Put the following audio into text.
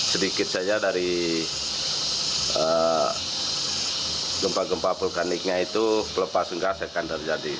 sedikit saja dari gempa gempa vulkaniknya itu pelepasan gas akan terjadi